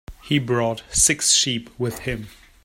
He brought six sheep with him.